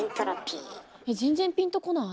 全然ピンとこない。